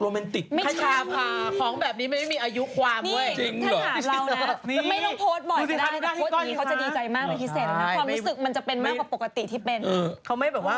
ยังเห็นชัดไหมคะ